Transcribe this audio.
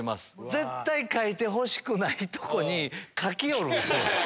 絶対かいてほしくないとこにかきよるんすよ。